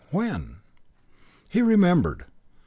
When? He remembered.